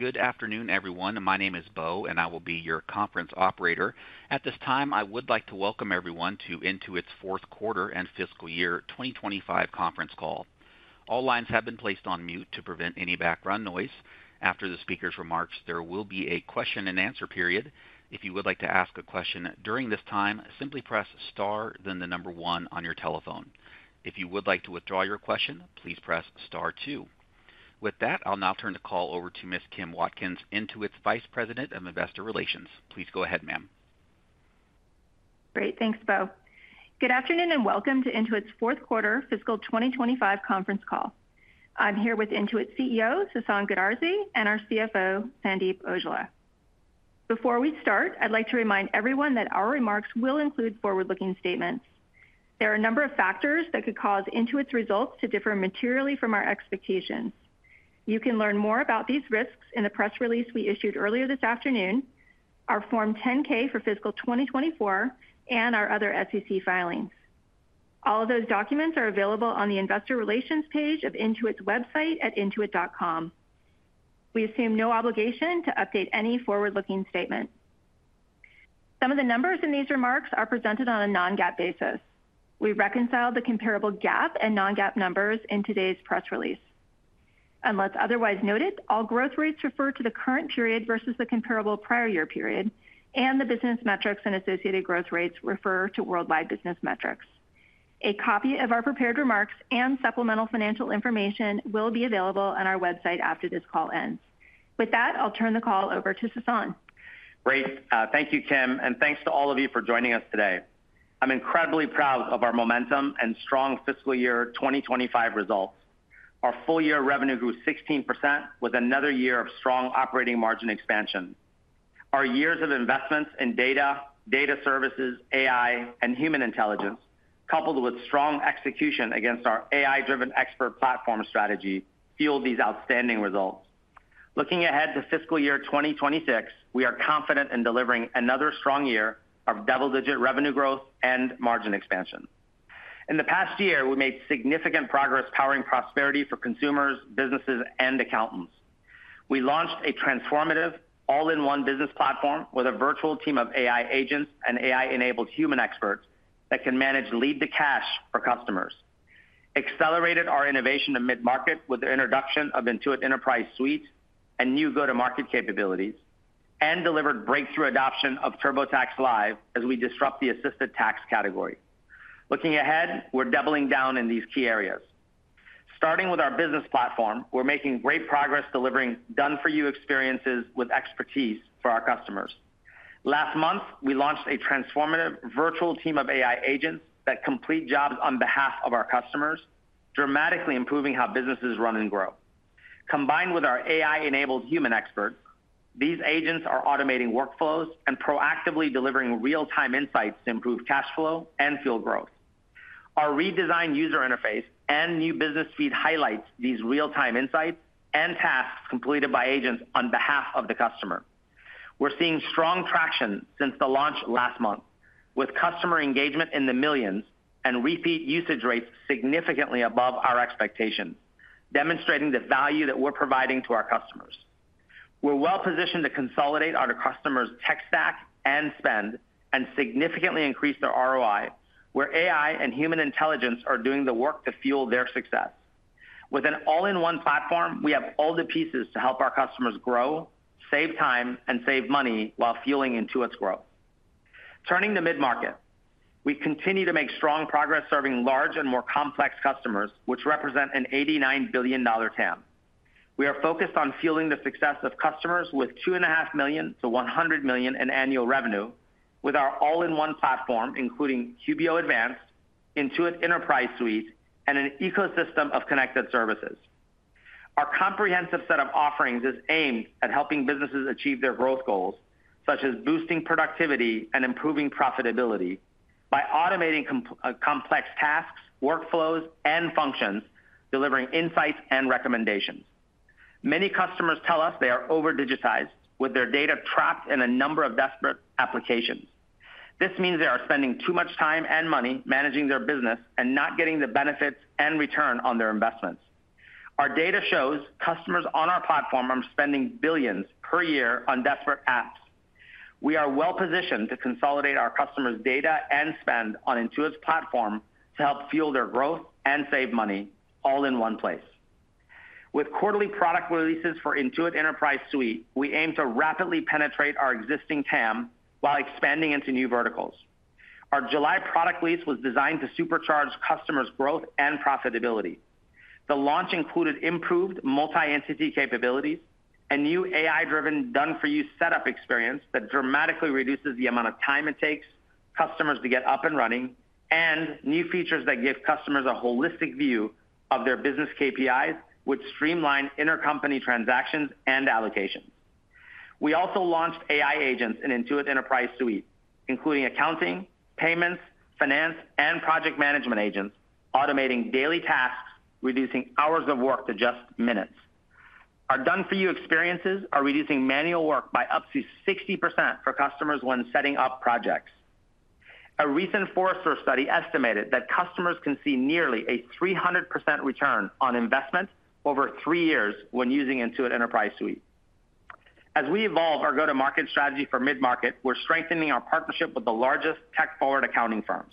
Good afternoon, everyone. My name is Bo, and I will be your conference operator. At this time, I would like to welcome everyone to Intuit's fourth quarter and fiscal year 2025 conference call. All lines have been placed on mute to prevent any background noise. After the speaker's remarks, there will be a question and answer period. If you would like to ask a question during this time, simply press star then the number one on your telephone. If you would like to withdraw your question, please press star two. With that, I'll now turn the call over to Ms. Kim Watkins, Intuit's Vice President of Investor Relations. Please go ahead, ma'am. Great, thanks, Bo. Good afternoon and welcome to Intuit's fourth quarter fiscal 2025 conference call. I'm here with Intuit's CEO, CeCe Morken, and our CFO, Sandeep Aujla. Before we start, I'd like to remind everyone that our remarks will include forward-looking statements. There are a number of factors that could cause Intuit's results to differ materially from our expectations. You can learn more about these risks in the press release we issued earlier this afternoon, our Form 10-K for fiscal 2024, and our other SEC filings. All of those documents are available on the Investor Relations page of Intuit's website at intuit.com. We assume no obligation to update any forward-looking statement. Some of the numbers in these remarks are presented on a non-GAAP basis. We reconcile the comparable GAAP and non-GAAP numbers in today's press release. Unless otherwise noted, all growth rates refer to the current period versus the comparable prior year period, and the business metrics and associated growth rates refer to worldwide business metrics. A copy of our prepared remarks and supplemental financial information will be available on our website after this call ends. With that, I'll turn the call over to CeCe. Great. Thank you, Kim, and thanks to all of you for joining us today. I'm incredibly proud of our momentum and strong fiscal year 2025 results. Our full year revenue grew 16% with another year of strong operating margin expansion. Our years of investments in data, data services, AI, and human intelligence, coupled with strong execution against our AI-driven expert platform strategy, fueled these outstanding results. Looking ahead to fiscal year 2026, we are confident in delivering another strong year of double-digit revenue growth and margin expansion. In the past year, we made significant progress powering prosperity for consumers, businesses, and accountants. We launched a transformative all-in-one business platform with a virtual team of AI agents and AI-enabled human experts that can manage lead-to-cash for customers. We accelerated our innovation to mid-market with the introduction of Intuit Enterprise Suite and new go-to-market capabilities, and delivered breakthrough adoption of TurboTax Live as we disrupt the assisted tax category. Looking ahead, we're doubling down in these key areas. Starting with our business platform, we're making great progress delivering done-for-you experiences with expertise for our customers. Last month, we launched a transformative virtual team of AI agents that complete jobs on behalf of our customers, dramatically improving how businesses run and grow. Combined with our AI-enabled human experts, these agents are automating workflows and proactively delivering real-time insights to improve cash flow and fuel growth. Our redesigned user interface and new business feed highlight these real-time insights and tasks completed by agents on behalf of the customer. We're seeing strong traction since the launch last month, with customer engagement in the millions and repeat usage rates significantly above our expectations, demonstrating the value that we're providing to our customers. We're well-positioned to consolidate our customers' tech stack and spend and significantly increase their ROI, where AI and human intelligence are doing the work to fuel their success. With an all-in-one platform, we have all the pieces to help our customers grow, save time, and save money while fueling Intuit's growth. Turning to mid-market, we continue to make strong progress serving large and more complex customers, which represent an $89 billion TAM. We are focused on fueling the success of customers with $2.5 million-$100 million in annual revenue with our all-in-one platform, including QBO Advanced, Intuit Enterprise Suite, and an ecosystem of connected services. Our comprehensive set of offerings is aimed at helping businesses achieve their growth goals, such as boosting productivity and improving profitability by automating complex tasks, workflows, and functions, delivering insights and recommendations. Many customers tell us they are over-digitized, with their data trapped in a number of disparate applications. This means they are spending too much time and money managing their business and not getting the benefits and return on their investments. Our data shows customers on our platform are spending billions per year on disparate apps. We are well-positioned to consolidate our customers' data and spend on Intuit's platform to help fuel their growth and save money all in one place. With quarterly product releases for Intuit Enterprise Suite, we aim to rapidly penetrate our existing addressable market while expanding into new verticals. Our July product release was designed to supercharge customers' growth and profitability. The launch included improved multi-entity capabilities and new AI-driven done-for-you setup experience that dramatically reduces the amount of time it takes customers to get up and running, and new features that give customers a holistic view of their business KPIs, which streamline intercompany transactions and allocation. We also launched AI agents in Intuit Enterprise Suite, including accounting, payments, finance, and project management agents, automating daily tasks, reducing hours of work to just minutes. Our done-for-you experiences are reducing manual work by up to 60% for customers when setting up projects. A recent Forrester study estimated that customers can see nearly a 300% ROI over three years when using Intuit Enterprise Suite. As we evolve our go-to-market strategy for mid-market, we're strengthening our partnership with the largest tech-forward accounting firms.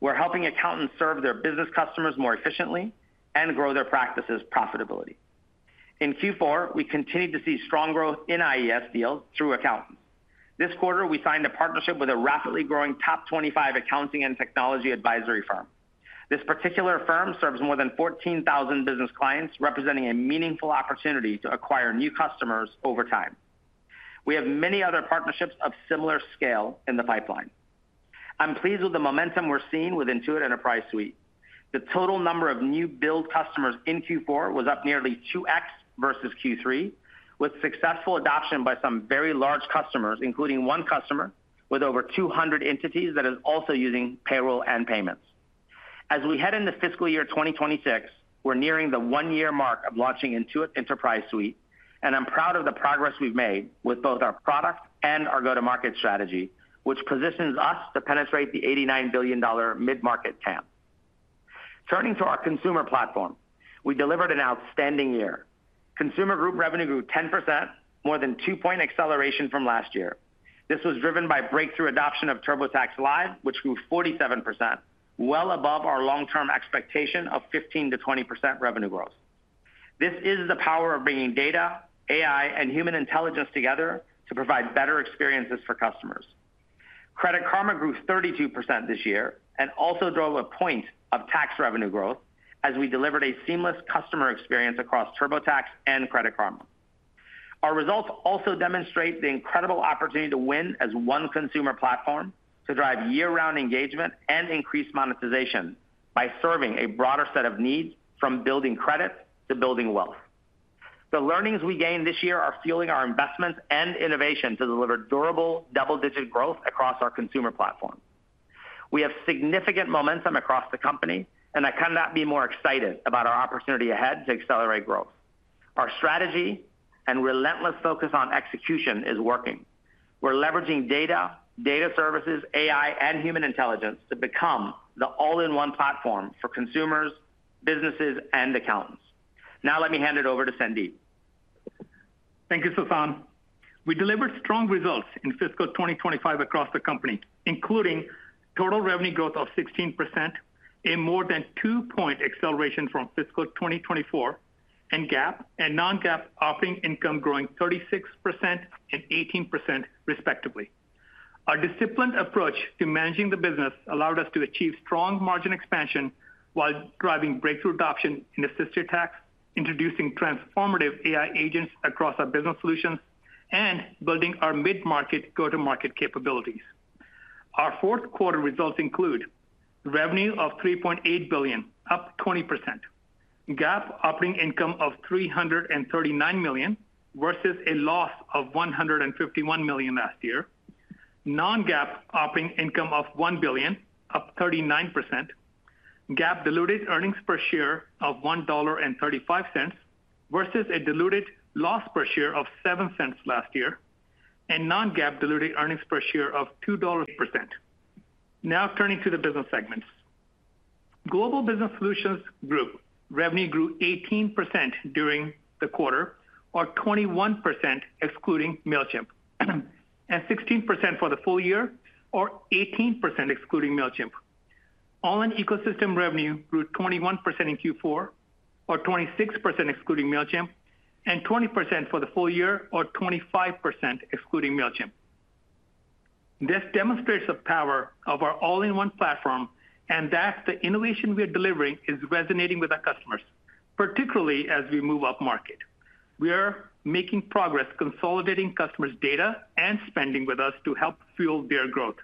We're helping accountants serve their business customers more efficiently and grow their practices' profitability. In Q4, we continue to see strong growth in Intuit Enterprise Suite deals through accountants. This quarter, we signed a partnership with a rapidly growing top 25 accounting and technology advisory firm. This particular firm serves more than 14,000 business clients, representing a meaningful opportunity to acquire new customers over time. We have many other partnerships of similar scale in the pipeline. I'm pleased with the momentum we're seeing with Intuit Enterprise Suite. The total number of new billed customers in Q4 was up nearly 2x versus Q3, with successful adoption by some very large customers, including one customer with over 200 entities that is also using payroll and payments. As we head into fiscal year 2026, we're nearing the one-year mark of launching Intuit Enterprise Suite, and I'm proud of the progress we've made with both our product and our go-to-market strategy, which positions us to penetrate the $89 billion mid-market TAM. Turning to our consumer platform, we delivered an outstanding year. Consumer group revenue grew 10%, more than two-point acceleration from last year. This was driven by breakthrough adoption of TurboTax Live, which grew 47%, well above our long-term expectation of 15%-20% revenue growth. This is the power of bringing data, AI, and human intelligence together to provide better experiences for customers. Credit Karma grew 32% this year and also drove a point of tax revenue growth as we delivered a seamless customer experience across TurboTax and Credit Karma. Our results also demonstrate the incredible opportunity to win as one consumer platform, to drive year-round engagement and increase monetization by serving a broader set of needs, from building credit to building wealth. The learnings we gained this year are fueling our investments and innovation to deliver durable double-digit growth across our consumer platform. We have significant momentum across the company, and I cannot be more excited about our opportunity ahead to accelerate growth. Our strategy and relentless focus on execution are working. We're leveraging data, data services, AI, and human intelligence to become the all-in-one platform for consumers, businesses, and accountants. Now, let me hand it over to Sandeep. Thank you, CeCe. We delivered strong results in fiscal 2025 across the company, including total revenue growth of 16%, a more than two-point acceleration from fiscal 2024, and GAAP and non-GAAP operating income growing 36% and 18%, respectively. Our disciplined approach to managing the business allowed us to achieve strong margin expansion while driving breakthrough adoption in assisted tax, introducing transformative AI agents across our business solutions, and building our mid-market go-to-market capabilities. Our fourth quarter results include revenue of $3.8 billion, up 20%, GAAP operating income of $339 million versus a loss of $151 million last year, non-GAAP operating income of $1 billion, up 39%, GAAP diluted earnings per share of $1.35 versus a diluted loss per share of $0.07 last year, and non-GAAP diluted earnings per share of $0.02%. Now, turning to the business segments. Global Business Solutions Group revenue grew 18% during the quarter, or 21% excluding Mailchimp, and 16% for the full year, or 18% excluding Mailchimp. All-in ecosystem revenue grew 21% in Q4, or 26% excluding Mailchimp, and 20% for the full year, or 25% excluding Mailchimp. This demonstrates the power of our all-in-one platform, and that the innovation we are delivering is resonating with our customers, particularly as we move up market. We are making progress consolidating customers' data and spending with us to help fuel their growth.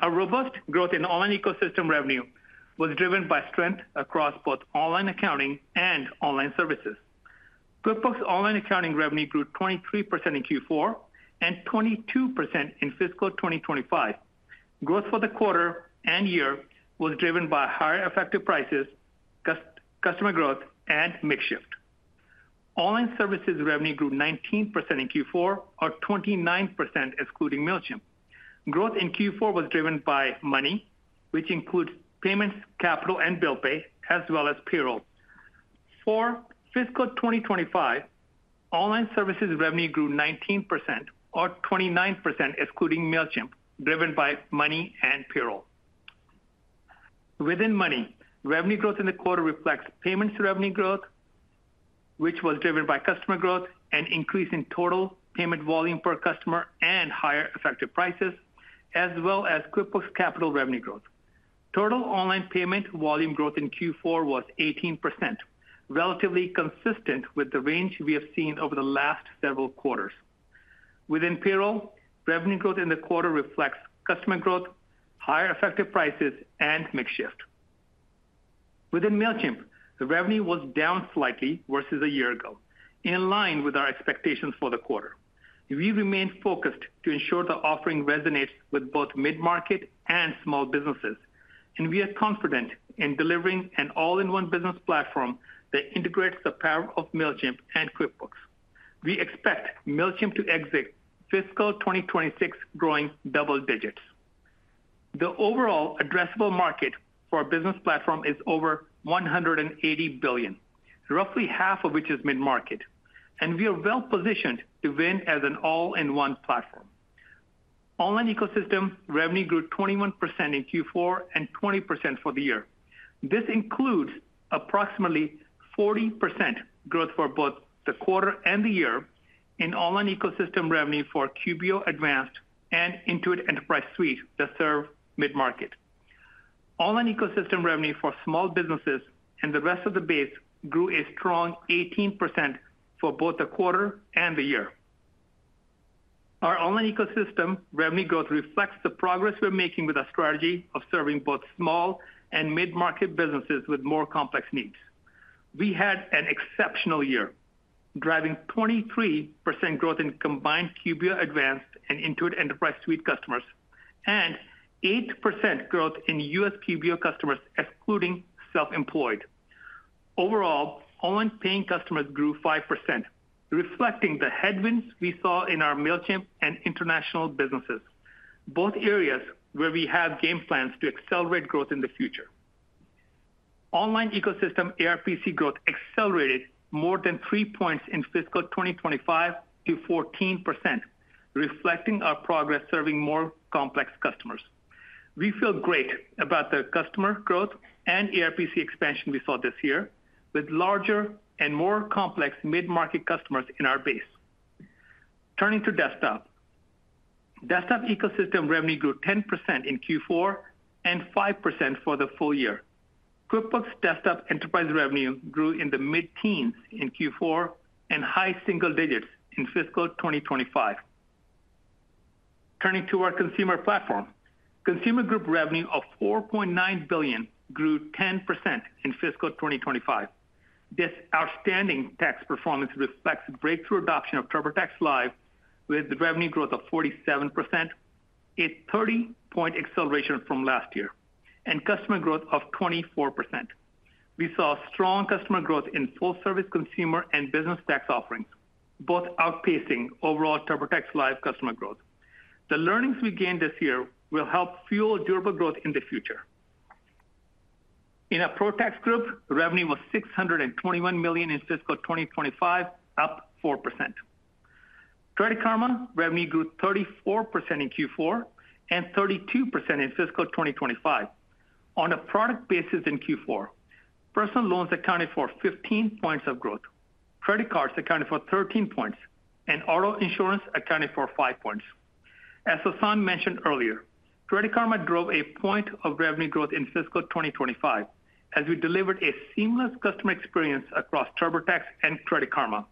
Our robust growth in all-in ecosystem revenue was driven by strength across both online accounting and online services. QuickBooks online accounting revenue grew 23% in Q4 and 22% in fiscal 2025. Growth for the quarter and year was driven by higher effective prices, customer growth, and makeshift. Online services revenue grew 19% in Q4, or 29% excluding Mailchimp. Growth in Q4 was driven by money, which includes payments, capital, and bill pay, as well as payroll. For fiscal 2025, online services revenue grew 19%, or 29% excluding Mailchimp, driven by money and payroll. Within money, revenue growth in the quarter reflects payments revenue growth, which was driven by customer growth, an increase in total payment volume per customer, and higher effective prices, as well as QuickBooks capital revenue growth. Total online payment volume growth in Q4 was 18%, relatively consistent with the range we have seen over the last several quarters. Within payroll, revenue growth in the quarter reflects customer growth, higher effective prices, and mix shift. Within Mailchimp, the revenue was down slightly versus a year ago, in line with our expectations for the quarter. We remain focused to ensure the offering resonates with both mid-market and small businesses, and we are confident in delivering an all-in-one business platform that integrates the power of Mailchimp and QuickBooks. We expect Mailchimp to exit fiscal 2026 growing double digits. The overall addressable market for our business platform is over $180 billion, roughly half of which is mid-market, and we are well-positioned to win as an all-in-one platform. Online ecosystem revenue grew 21% in Q4 and 20% for the year. This includes approximately 40% growth for both the quarter and the year in online ecosystem revenue for QBO Advanced and Intuit Enterprise Suite that serve mid-market. Online ecosystem revenue for small businesses and the rest of the base grew a strong 18% for both the quarter and the year. Our online ecosystem revenue growth reflects the progress we're making with our strategy of serving both small and mid-market businesses with more complex needs. We had an exceptional year, driving 23% growth in combined QBO Advanced and Intuit Enterprise Suite customers, and 8% growth in U.S. QBO customers, excluding self-employed. Overall, online paying customers grew 5%, reflecting the headwinds we saw in our Mailchimp and international businesses, both areas where we have game plans to accelerate growth in the future. Online ecosystem ARPC growth accelerated more than three points in fiscal 2025 to 14%, reflecting our progress serving more complex customers. We feel great about the customer growth and ARPC expansion we saw this year, with larger and more complex mid-market customers in our base. Turning to desktop, desktop ecosystem revenue grew 10% in Q4 and 5% for the full year. QuickBooks Desktop Enterprise revenue grew in the mid-teens in Q4 and high single digits in fiscal 2025. Turning to our consumer platform, consumer group revenue of $4.9 billion grew 10% in fiscal 2025. This outstanding tax performance reflects breakthrough adoption of TurboTax Live, with revenue growth of 47%, a 30-point acceleration from last year, and customer growth of 24%. We saw strong customer growth in full-service consumer and business tax offerings, both outpacing overall TurboTax Live customer growth. The learnings we gained this year will help fuel durable growth in the future. In our ProTax group, revenue was $621 million in fiscal 2025, up 4%. Credit Karma revenue grew 34% in Q4 and 32% in fiscal 2025. On a product basis in Q4, personal loans accounted for 15 points of growth, credit cards accounted for 13 points, and auto insurance accounted for 5 points. As CeCe Morken mentioned earlier, Credit Karma drove a point of revenue growth in fiscal 2025 as we delivered a seamless customer experience across TurboTax and Credit Karma.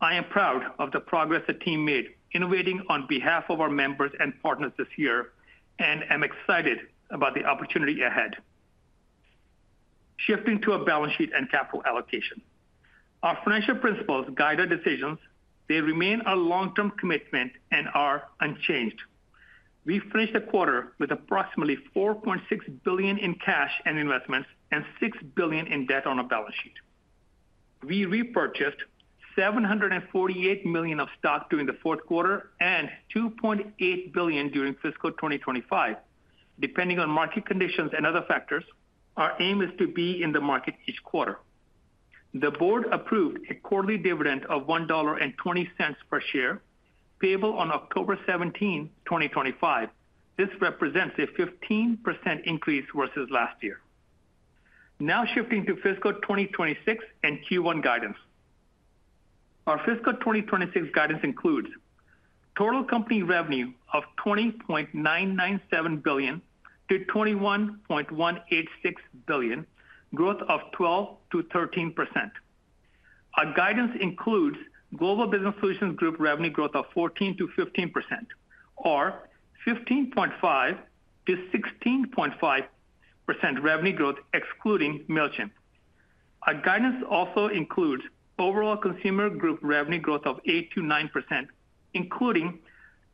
I am proud of the progress the team made, innovating on behalf of our members and partners this year, and I'm excited about the opportunity ahead. Shifting to a balance sheet and capital allocation. Our financial principles guide our decisions, they remain our long-term commitment and are unchanged. We finished the quarter with approximately $4.6 billion in cash and investments and $6 billion in debt on a balance sheet. We repurchased $748 million of stock during the fourth quarter and $2.8 billion during fiscal 2025. Depending on market conditions and other factors, our aim is to be in the market each quarter. The board approved a quarterly dividend of $1.20 per share, payable on October 17, 2025. This represents a 15% increase versus last year. Now, shifting to fiscal 2026 and Q1 guidance. Our fiscal 2026 guidance includes total company revenue of $20.997 billion-$21.186 billion, growth of 12%-13%. Our guidance includes Global Business Solutions Group revenue growth of 14% to 15%, or 15.5% to 16.5% revenue growth, excluding Mailchimp. Our guidance also includes overall Consumer Group revenue growth of 8%-9%, including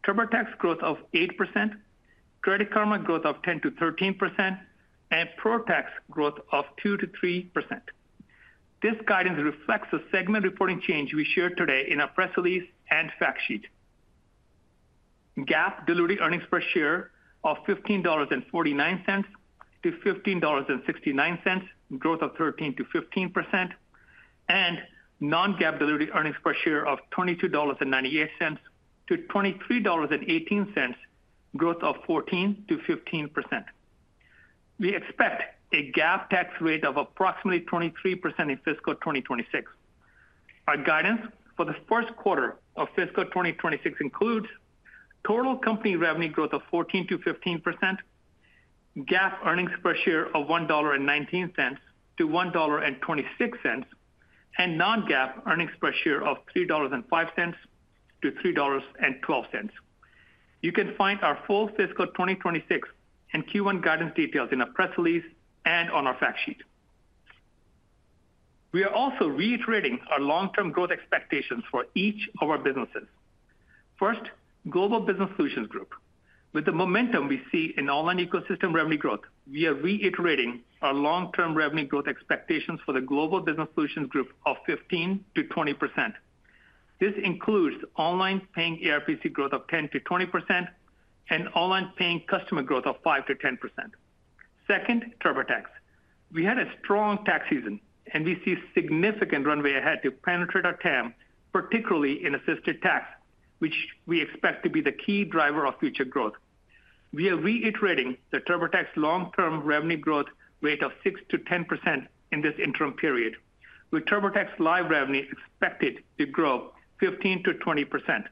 TurboTax growth of 8%, Credit Karma growth of 10%-13%, and ProTax growth of 2-3%. This guidance reflects the segment reporting change we shared today in our press release and fact sheet. GAAP diluted earnings per share of $15.49-$15.69, growth of 13%-15%, and non-GAAP diluted earnings per share of $22.98-$23.18, growth of 14%-15%. We expect a GAAP tax rate of approximately 23% in fiscal 2026. Our guidance for the first quarter of fiscal 2026 includes total company revenue growth of 14%-15%, GAAP earnings per share of $1.19-$1.26, and non-GAAP earnings per share of $3.05-$3.12. You can find our full fiscal 2026 and Q1 guidance details in our press release and on our fact sheet. We are also reiterating our long-term growth expectations for each of our businesses. First, Global Business Solutions Group. With the momentum we see in online ecosystem revenue growth, we are reiterating our long-term revenue growth expectations for the Global Business Solutions Group of 15%-20%. This includes online paying ARPC growth of 10%-20% and online paying customer growth of 5%-10%. Second, TurboTax. We had a strong tax season, and we see significant runway ahead to penetrate our TAM, particularly in assisted tax, which we expect to be the key driver of future growth. We are reiterating the TurboTax long-term revenue growth rate of 6%-10% in this interim period, with TurboTax Live revenue expected to grow 15%-20%.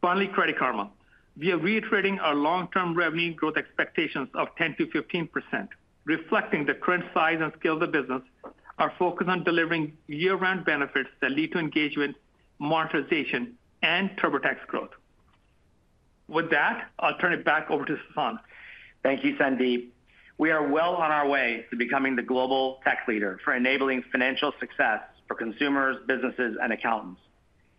Finally, Credit Karma. We are reiterating our long-term revenue growth expectations of 10%-15%, reflecting the current size and scale of the business, our focus on delivering year-round benefits that lead to engagement, monetization, and TurboTax growth. With that, I'll turn it back over to CeCe. Thank you, Sandeep. We are well on our way to becoming the global tax leader for enabling financial success for consumers, businesses, and accountants.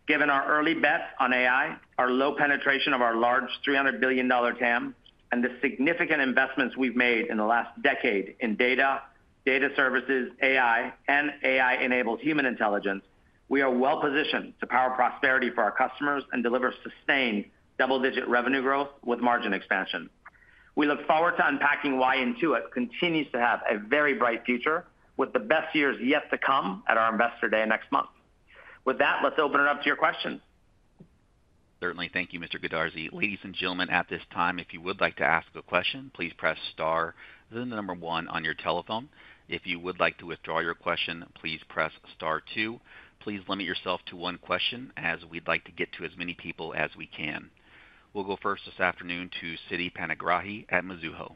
Given our early bet on AI, our low penetration of our large $300 billion TAM, and the significant investments we've made in the last decade in data, data services, AI, and AI-enabled human intelligence, we are well-positioned to power prosperity for our customers and deliver sustained double-digit revenue growth with margin expansion. We look forward to unpacking why Intuit continues to have a very bright future with the best years yet to come at our Investor Day next month. With that, let's open it up to your questions. Thank you, Mr. Goodarzi. Ladies and gentlemen, at this time, if you would like to ask a question, please press star then the number one on your telephone. If you would like to withdraw your question, please press star two. Please limit yourself to one question as we'd like to get to as many people as we can. We'll go first this afternoon to Siti Panagrahi at Mizuho.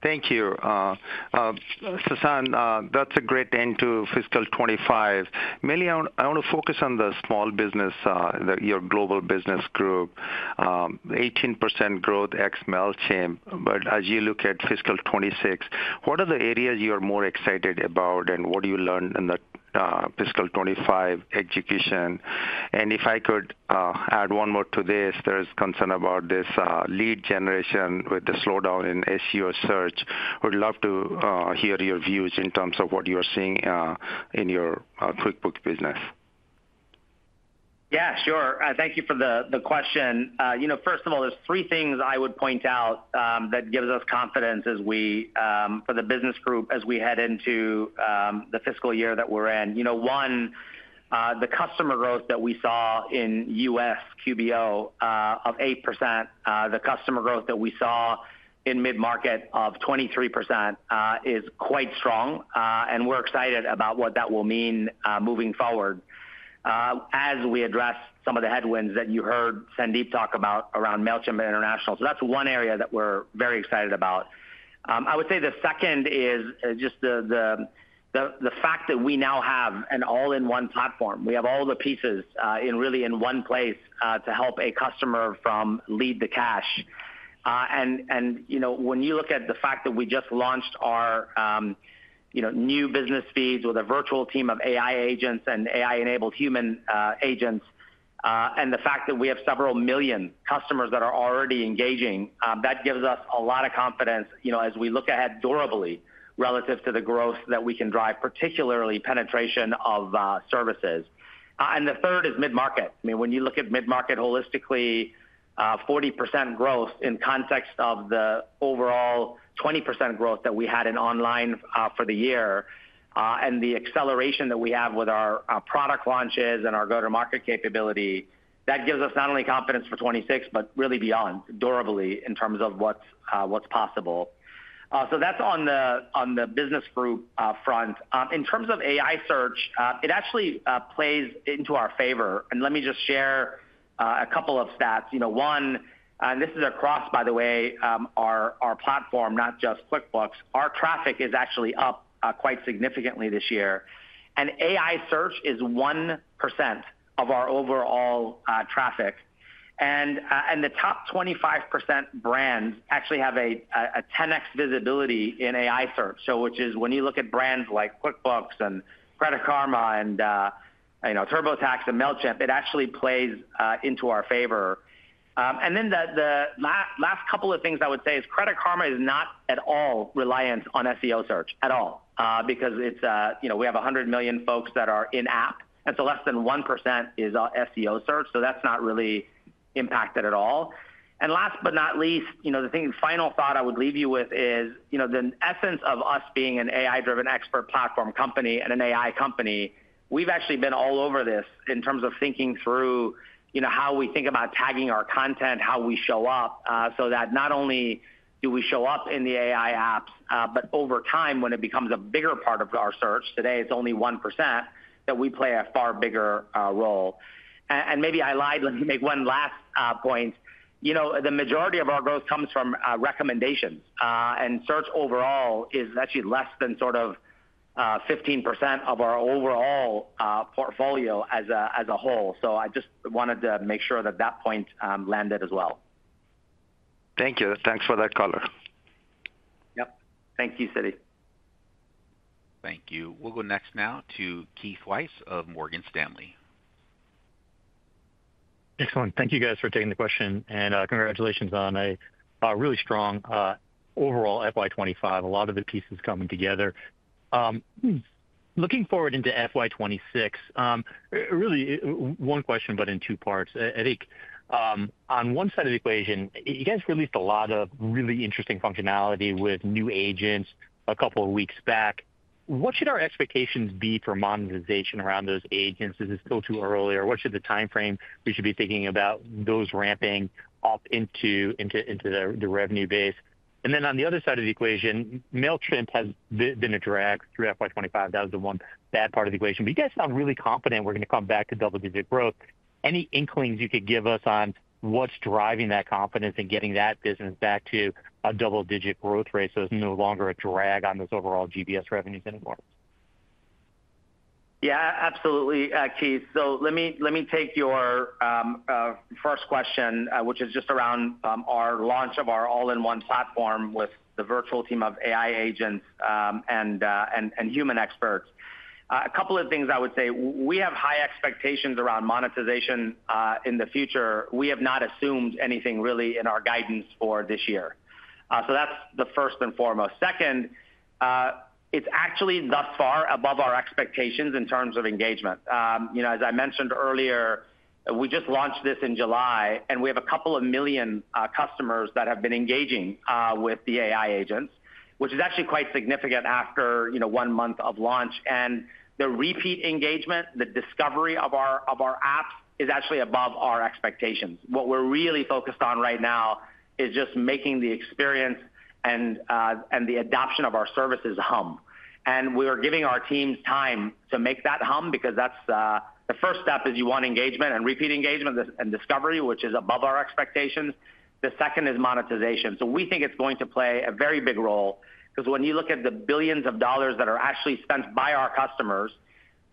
Thank you. CeCe, that's a great end to fiscal 2025. Mainly, I want to focus on the Small Business, your Global Business Group, 18% growth ex-Mailchimp. As you look at fiscal 2026, what are the areas you are more excited about and what you learned in the fiscal 2025 execution? If I could add one more to this, there's concern about this lead generation with the slowdown in SEO search. We'd love to hear your views in terms of what you are seeing in your QuickBooks business. Yeah, sure. Thank you for the question. First of all, there are three things I would point out that give us confidence as we, for the business group, as we head into the fiscal year that we're in. One, the customer growth that we saw in U.S. QBO of 8%, the customer growth that we saw in mid-market of 23% is quite strong, and we're excited about what that will mean moving forward as we address some of the headwinds that you heard Sandeep talk about around Mailchimp International. That's one area that we're very excited about. I would say the second is just the fact that we now have an all-in-one platform. We have all the pieces in really one place to help a customer from lead to cash. When you look at the fact that we just launched our new business feeds with a virtual team of AI agents and AI-enabled human experts, and the fact that we have several million customers that are already engaging, that gives us a lot of confidence as we look ahead durably relative to the growth that we can drive, particularly penetration of services. The third is mid-market. When you look at mid-market holistically, 40% growth in context of the overall 20% growth that we had in online for the year, and the acceleration that we have with our product launches and our go-to-market capability, that gives us not only confidence for 2026, but really beyond durably in terms of what's possible. That's on the business group front. In terms of AI search, it actually plays into our favor. Let me just share a couple of stats. One, and this is across, by the way, our platform, not just QuickBooks, our traffic is actually up quite significantly this year. AI search is 1% of our overall traffic. The top 25% brands actually have a 10x visibility in AI search, which is when you look at brands like QuickBooks and Credit Karma and TurboTax and Mailchimp, it actually plays into our favor. The last couple of things I would say is Credit Karma is not at all reliant on SEO search at all because we have 100 million folks that are in-app, and less than 1% is SEO search. That's not really impacted at all. Last but not least, the final thought I would leave you with is the essence of us being an AI-driven expert platform company and an AI company. We've actually been all over this in terms of thinking through how we think about tagging our content, how we show up so that not only do we show up in the AI apps, but over time, when it becomes a bigger part of our search—today it's only 1%—that we play a far bigger role. Maybe I lied, let me make one last point. You know, the majority of our growth comes from recommendations, and search overall is actually less than 15% of our overall portfolio as a whole. I just wanted to make sure that that point landed as well. Thank you. Thanks for that color. Thank you, Siti. Thank you. We'll go next now to Keith Weiss of Morgan Stanley. Excellent. Thank you guys for taking the question, and congratulations on a really strong overall FY25. A lot of the pieces coming together. Looking forward into FY26, really one question, but in two parts. I think on one side of the equation, you guys released a lot of really interesting functionality with new agents a couple of weeks back. What should our expectations be for monetization around those agents? Does this go too early, or what should the timeframe we should be thinking about those ramping up into the revenue base? On the other side of the equation, Mailchimp has been a drag through FY25. That was the one bad part of the equation. You guys sound really confident we're going to come back to double-digit growth. Any inklings you could give us on what's driving that confidence in getting that business back to a double-digit growth rate so it's no longer a drag on those overall GBS revenues anymore? Yeah, absolutely, Keith. Let me take your first question, which is just around our launch of our all-in-one platform with the virtual team of AI agents and human experts. A couple of things I would say. We have high expectations around monetization in the future. We have not assumed anything really in our guidance for this year. That is the first and foremost. Second, it is actually thus far above our expectations in terms of engagement. As I mentioned earlier, we just launched this in July, and we have a couple of million customers that have been engaging with the AI agents, which is actually quite significant after one month of launch. The repeat engagement, the discovery of our apps, is actually above our expectations. What we are really focused on right now is just making the experience and the adoption of our services hum. We are giving our team time to make that hum because that is the first step; you want engagement and repeat engagement and discovery, which is above our expectations. The second is monetization. We think it is going to play a very big role because when you look at the billions of dollars that are actually spent by our customers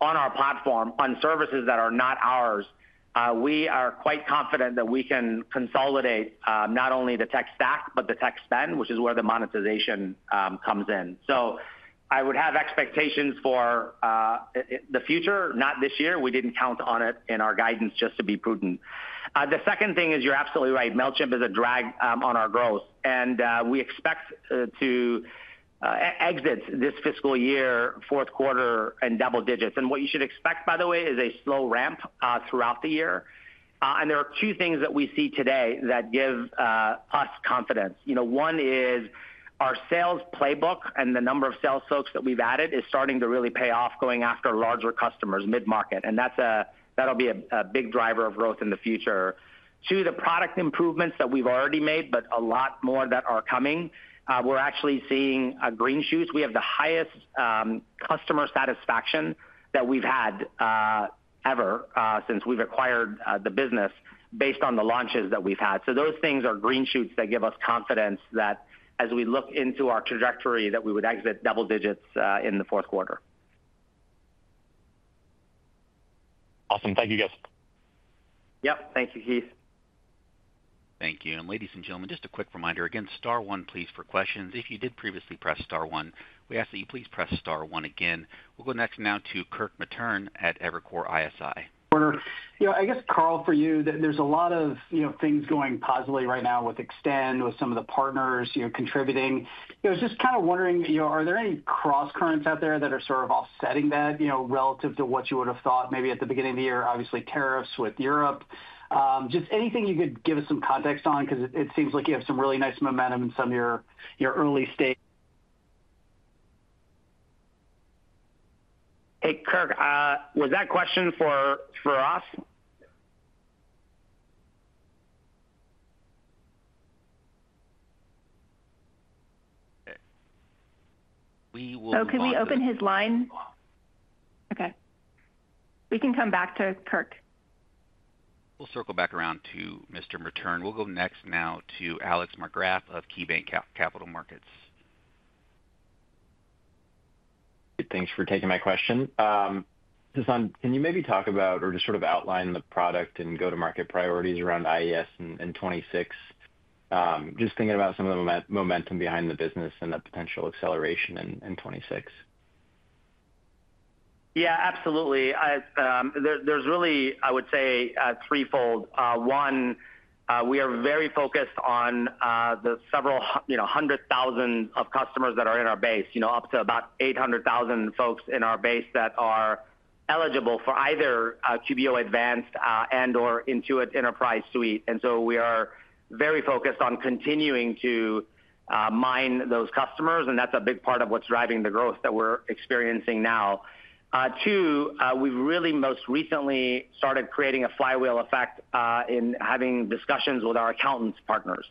on our platform on services that are not ours, we are quite confident that we can consolidate not only the tech stack, but the tech spend, which is where the monetization comes in. I would have expectations for the future, not this year. We did not count on it in our guidance just to be prudent. The second thing is you are absolutely right. Mailchimp is a drag on our growth, and we expect to exit this fiscal year, fourth quarter, in double digits. What you should expect, by the way, is a slow ramp throughout the year. There are two things that we see today that give us confidence. One is our sales playbook and the number of sales folks that we have added is starting to really pay off going after larger customers mid-market. That will be a big driver of growth in the future. Two, the product improvements that we have already made, but a lot more that are coming. We are actually seeing green shoots. We have the highest customer satisfaction that we have had ever since we acquired the business based on the launches that we have had. Those things are green shoots that give us confidence that as we look into our trajectory, we would exit double digits in the fourth quarter. Awesome. Thank you, guys. Thank you, Keith. Thank you. Ladies and gentlemen, just a quick reminder. Again, star one, please, for questions. If you did previously press star one, we ask that you please press star one again. We'll go next now to Kirk Matern at Evercore ISI. I guess, Carl, for you, there's a lot of things going positively right now with Extend, with some of the partners contributing. I was just kind of wondering, are there any cross-currents out there that are sort of offsetting that relative to what you would have thought maybe at the beginning of the year? Obviously, tariffs with Europe. Is there anything you could give us some context on because it seems like you have some really nice momentum in some of your early stage? Hey, Kirk, was that question for us? Can we open his line? Okay, we can come back to Kirk. We'll circle back around to Mr. Matern. We'll go next now to Alex Balazs of KeyBank Capital Markets. Thanks for taking my question. CeCe, can you maybe talk about or just sort of outline the product and go-to-market priorities around Intuit Enterprise Suite in 2026, just thinking about some of the momentum behind the business and the potential acceleration in 2026? Yeah, absolutely. There's really, I would say, threefold. One, we are very focused on the several hundred thousand of customers that are in our base, you know, up to about 800,000 folks in our base that are eligible for either QBO Advanced and/or Intuit Enterprise Suite. We are very focused on continuing to mine those customers, and that's a big part of what's driving the growth that we're experiencing now. Two, we really most recently started creating a flywheel effect in having discussions with our accountant partners.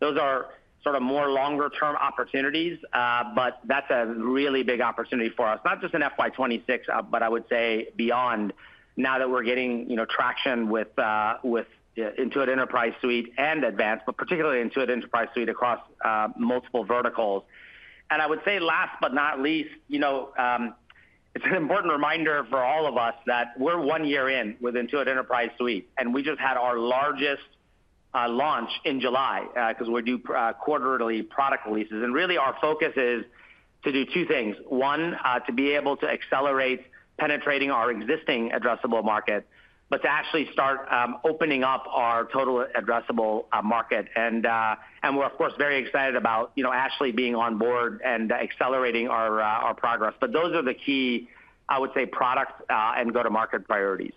Those are sort of more longer-term opportunities, but that's a really big opportunity for us, not just in FY2026, but I would say beyond, now that we're getting traction with Intuit Enterprise Suite and Advanced, but particularly Intuit Enterprise Suite across multiple verticals. I would say last but not least, it's an important reminder for all of us that we're one year in with Intuit Enterprise Suite, and we just had our largest launch in July because we do quarterly product releases. Our focus is to do two things. One, to be able to accelerate penetrating our existing addressable market, but to actually start opening up our total addressable market. We're, of course, very excited about Ashley being on board and accelerating our progress. Those are the key, I would say, product and go-to-market priorities.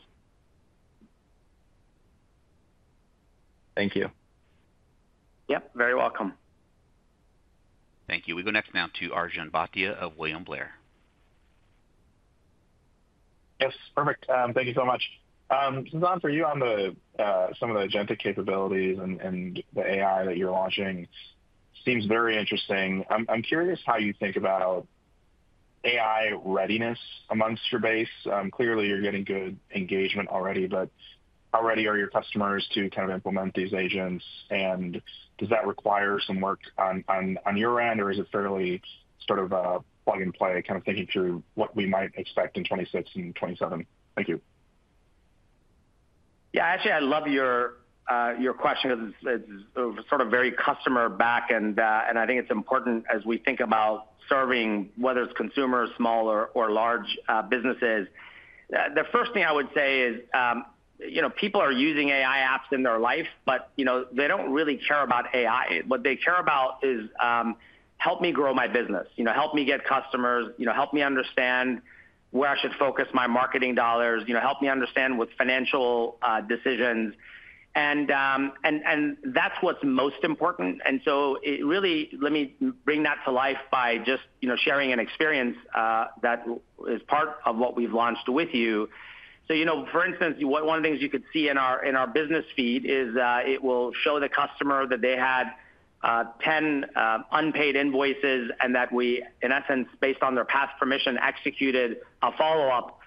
Thank you. Yep, very welcome. Thank you. We go next now to Arjun Bhatia of William Blair. Yes, perfect. Thank you so much. CeCe, for you on some of the agentic capabilities and the AI that you're launching, it seems very interesting. I'm curious how you think about AI readiness amongst your base. Clearly, you're getting good engagement already. How ready are your customers to kind of implement these agents? Does that require some work on your end, or is it fairly sort of a plug and play, kind of thinking through what we might expect in 2026 and 2027? Thank you. Yeah, actually, I love your question because it's sort of very customer back, and I think it's important as we think about serving whether it's consumers, small or large businesses. The first thing I would say is, you know, people are using AI apps in their life, but you know, they don't really care about AI. What they care about is, help me grow my business. You know, help me get customers. You know, help me understand where I should focus my marketing dollars. You know, help me understand with financial decisions. That's what's most important. It really, let me bring that to life by just sharing an experience that is part of what we've launched with you. For instance, one of the things you could see in our business feed is it will show the customer that they had 10 unpaid invoices and that we, in essence, based on their past permission, executed a follow-up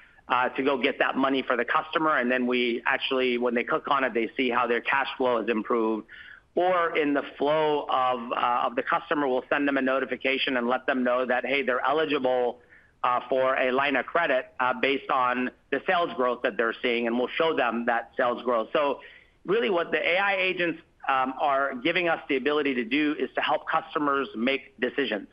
to go get that money for the customer. When they click on it, they see how their cash flow has improved. In the flow of the customer, we'll send them a notification and let them know that, hey, they're eligible for a line of credit based on the sales growth that they're seeing, and we'll show them that sales growth. What the AI agents are giving us the ability to do is to help customers make decisions.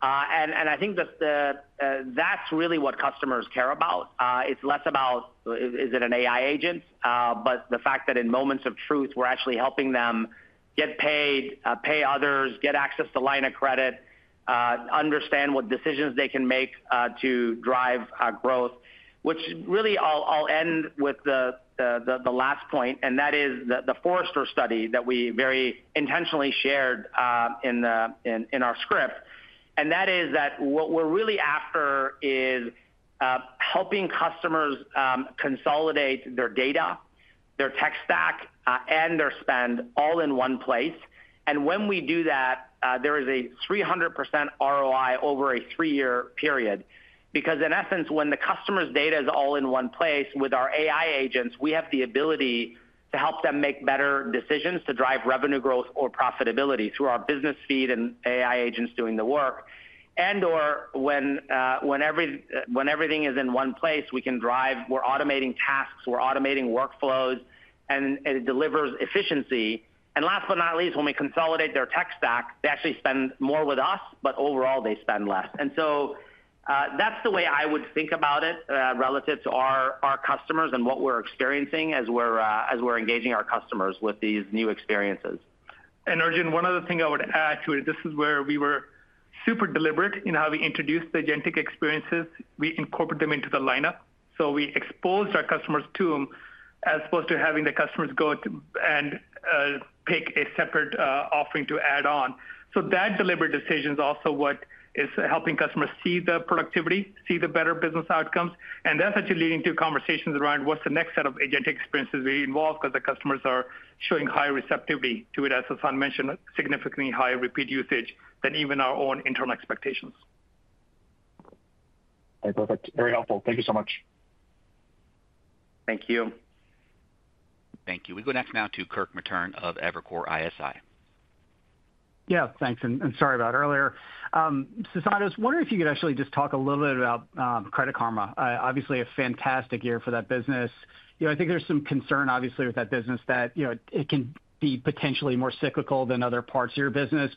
I think that's really what customers care about. It's less about, is it an AI agent, but the fact that in moments of truth, we're actually helping them get paid, pay others, get access to line of credit, understand what decisions they can make to drive growth, which really, I'll end with the last point, and that is the Forrester study that we very intentionally shared in our script. What we're really after is helping customers consolidate their data, their tech stack, and their spend all in one place. When we do that, there is a 300% ROI over a three-year period. In essence, when the customer's data is all in one place with our AI agents, we have the ability to help them make better decisions to drive revenue growth or profitability through our business feed and AI agents doing the work. When everything is in one place, we can drive, we're automating tasks, we're automating workflows, and it delivers efficiency. Last but not least, when we consolidate their tech stack, they actually spend more with us, but overall, they spend less. That's the way I would think about it relative to our customers and what we're experiencing as we're engaging our customers with these new experiences. Arjun, one other thing I would add to it, this is where we were super deliberate in how we introduced the agentic experiences. We incorporated them into the lineup, so we exposed our customers to them as opposed to having the customers go and pick a separate offering to add on. That deliberate decision is also what is helping customers see the productivity, see the better business outcomes. That's actually leading to conversations around what's the next set of agentic experiences we involve because the customers are showing high receptivity to it. As CeCe mentioned, significantly higher repeat usage than even our own internal expectations. Perfect. Very helpful. Thank you so much. Thank you. Thank you. We go next now to Kirk Matern of Evercore ISI. Yeah, thanks. Sorry about earlier. CeCe, I was wondering if you could actually just talk a little bit about Credit Karma. Obviously, a fantastic year for that business. I think there's some concern, obviously, with that business that it can be potentially more cyclical than other parts of your business.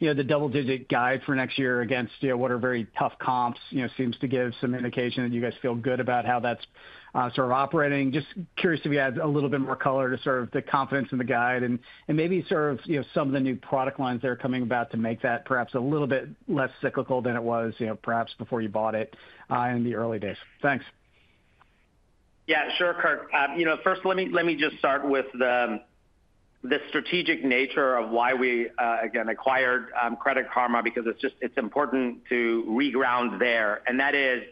The double-digit guide for next year against what are very tough comps seems to give some indication that you guys feel good about how that's sort of operating. Just curious if you add a little bit more color to the confidence in the guide and maybe some of the new product lines that are coming about to make that perhaps a little bit less cyclical than it was perhaps before you bought it in the early days. Thanks. Yeah, sure, Kirk. First, let me just start with the strategic nature of why we, again, acquired Credit Karma because it's important to reground there. That is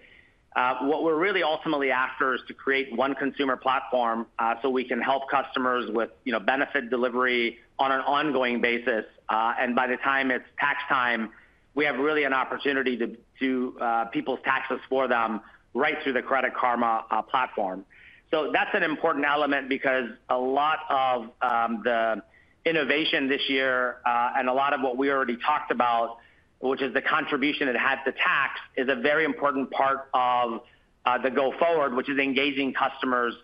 what we're really ultimately after, to create one consumer platform so we can help customers with benefit delivery on an ongoing basis. By the time it's tax time, we have really an opportunity to do people's taxes for them right through the Credit Karma platform. That's an important element because a lot of the innovation this year and a lot of what we already talked about, which is the contribution it had to tax, is a very important part of the go-forward, which is engaging customers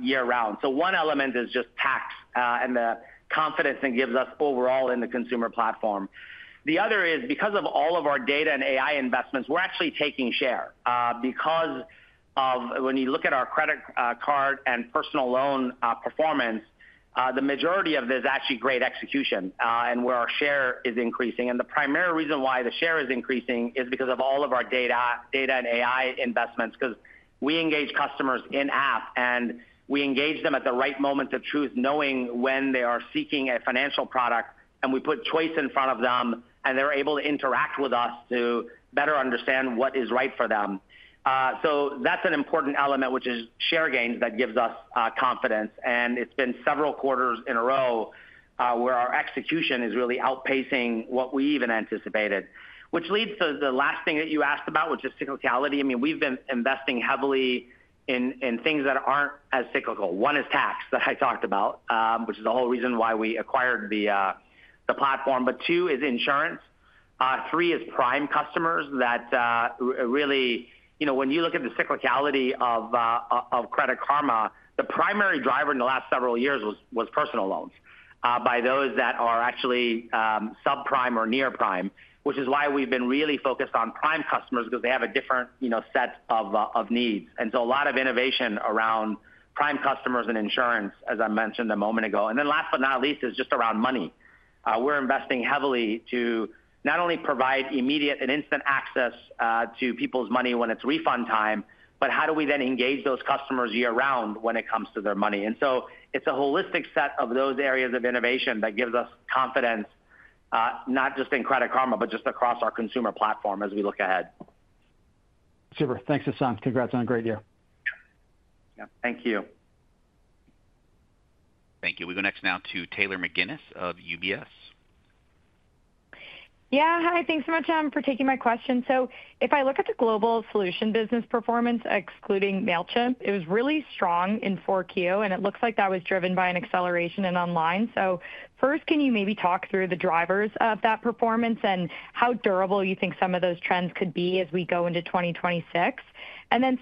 year-round. One element is just tax and the confidence it gives us overall in the consumer platform. The other is because of all of our data and AI investments, we're actually taking share because when you look at our credit card and personal loan performance, the majority of it is actually great execution and where our share is increasing. The primary reason why the share is increasing is because of all of our data and AI investments, because we engage customers in-app and we engage them at the right moments of truth, knowing when they are seeking a financial product. We put choice in front of them, and they're able to interact with us to better understand what is right for them. That's an important element, which is share gains that gives us confidence. It's been several quarters in a row where our execution is really outpacing what we even anticipated, which leads to the last thing that you asked about, which is cyclicality. We've been investing heavily in things that aren't as cyclical. One is tax that I talked about, which is the whole reason why we acquired the platform. Two is insurance. Three is prime customers that really, you know, when you look at the cyclicality of Credit Karma, the primary driver in the last several years was personal loans by those that are actually subprime or near prime, which is why we've been really focused on prime customers because they have a different set of needs. A lot of innovation around prime customers and insurance, as I mentioned a moment ago. Last but not least is just around money. We're investing heavily to not only provide immediate and instant access to people's money when it's refund time, but how do we then engage those customers year-round when it comes to their money? It's a holistic set of those areas of innovation that gives us confidence, not just in Credit Karma, but just across our consumer platform as we look ahead. Super. Thanks, CeCe. Congrats on a great year. Thank you. Thank you. We go next now to Taylor McGuinness of UBS. Yeah. Hi, thanks so much for taking my question. If I look at the global solution business performance, excluding Mailchimp, it was really strong in 4Q, and it looks like that was driven by an acceleration in online. First, can you maybe talk through the drivers of that performance and how durable you think some of those trends could be as we go into 2026?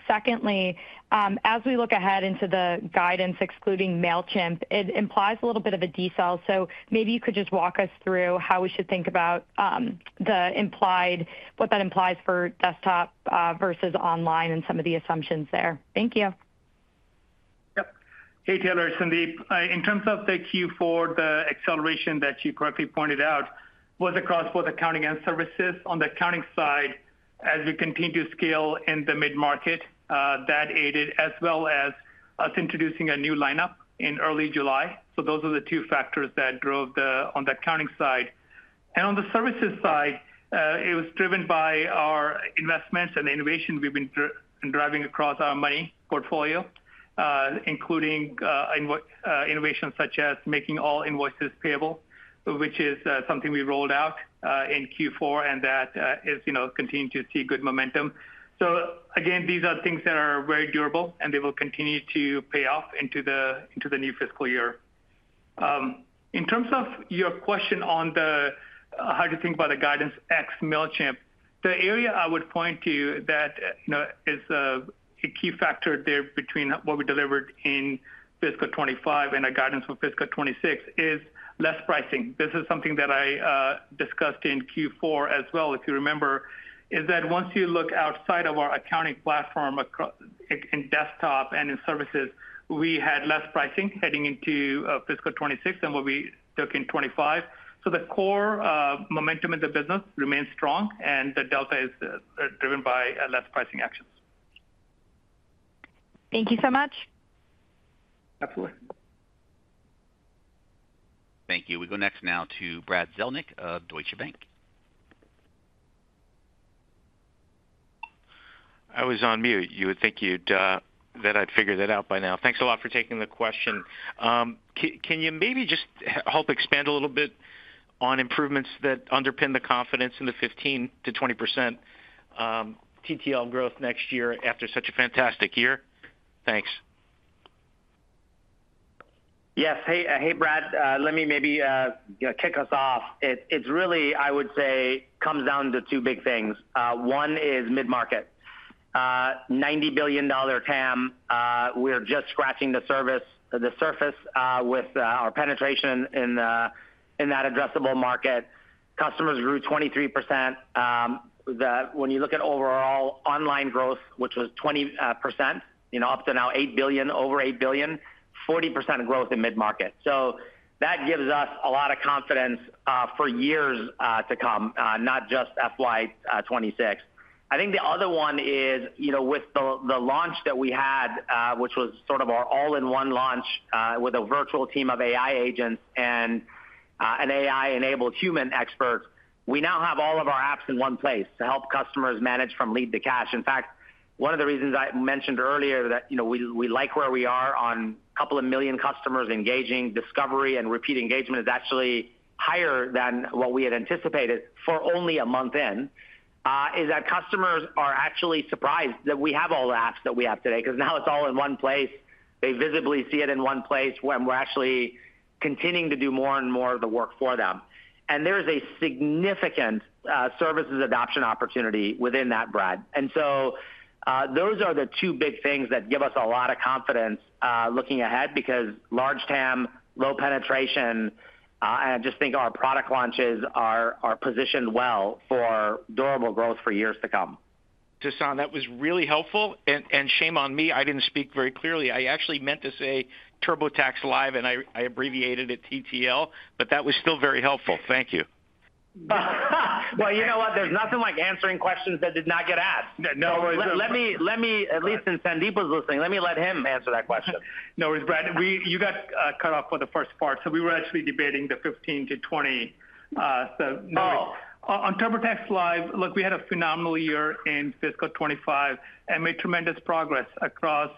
Secondly, as we look ahead into the guidance excluding Mailchimp, it implies a little bit of a DSAL. Maybe you could just walk us through how we should think about what that implies for desktop versus online and some of the assumptions there. Thank you. Yep. Hey, Taylor. It's Sandeep. In terms of the Q4, the acceleration that you correctly pointed out was across both accounting and services. On the accounting side, as we continue to scale in the mid-market, that aided, as well as us introducing a new lineup in early July. Those are the two factors that drove on the accounting side. On the services side, it was driven by our investments and the innovation we've been driving across our money portfolio, including innovations such as making all invoices payable, which is something we rolled out in Q4, and that is continuing to see good momentum. These are things that are very durable, and they will continue to pay off into the new fiscal year. In terms of your question on how to think about the guidance ex-Mailchimp, the area I would point to that is a key factor there between what we delivered in fiscal 2025 and our guidance for fiscal 2026 is less pricing. This is something that I discussed in Q4 as well, if you remember, is that once you look outside of our accounting platform in desktop and in services, we had less pricing heading into fiscal 2026 than what we took in 2025. The core momentum in the business remains strong, and the delta is driven by less pricing actions. Thank you so much. Absolutely. Thank you. We go next now to Brad Zelnick of Deutsche Bank. I was on mute. You would think that I'd figure that out by now. Thanks a lot for taking the question. Can you maybe just help expand a little bit on improvements that underpin the confidence in the 15% to 20% TTL growth next year after such a fantastic year? Thanks. Yes. Hey, Brad. Let me maybe kick us off. It really, I would say, comes down to two big things. One is mid-market. $90 billion TAM, we're just scratching the surface with our penetration in that addressable market. Customers grew 23%. When you look at overall online growth, which was 20%, up to now $8 billion, over $8 billion, 40% growth in mid-market. That gives us a lot of confidence for years to come, not just FY2026. I think the other one is, with the launch that we had, which was sort of our all-in-one launch with a virtual team of AI agents and an AI-enabled human expert, we now have all of our apps in one place to help customers manage from lead to cash. In fact, one of the reasons I mentioned earlier that we like where we are on a couple of million customers engaging, discovery and repeat engagement is actually higher than what we had anticipated for only a month in, is that customers are actually surprised that we have all the apps that we have today because now it's all in one place. They visibly see it in one place when we're actually continuing to do more and more of the work for them. There is a significant services adoption opportunity within that, Brad. Those are the two big things that give us a lot of confidence looking ahead because large TAM, low penetration, and I just think our product launches are positioned well for durable growth for years to come. CeCe, that was really helpful. Shame on me, I didn't speak very clearly. I actually meant to say TurboTax Live, and I abbreviated it TTL, but that was still very helpful. Thank you. You know what? There's nothing like answering questions that did not get asked. No worries. Let me, since Sandeep was listening, let him answer that question. No worries, Brad. You got cut off for the first part. We were actually debating the 15% to 20%. Oh. On TurboTax Live, look, we had a phenomenal year in fiscal 2025 and made tremendous progress across